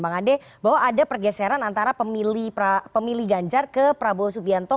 bang ade bahwa ada pergeseran antara pemilih ganjar ke prabowo subianto